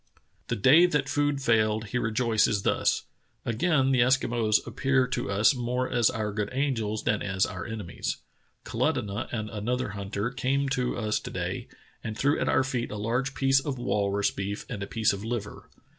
The day that food failed he rejoices thus: "Again the Eskimos appear to us more as our good angels than as our enemies. Kalutunah and another hunter came to us to day and threw at our feet a large piece of walrus beef and a piece of liver."